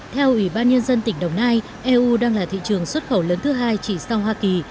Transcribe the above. theo ủy ban nhân dân tỉnh đồng nai eu đang là thị trường xuất khẩu lớn thứ hai chỉ sau hoa kỳ